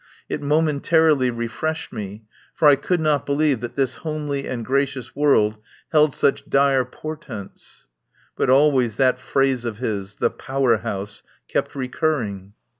It momentarily refreshed me, for I could not believe that this homely and gra cious world held such dire portents. But always that phrase of his, the "Power House," kept recurring.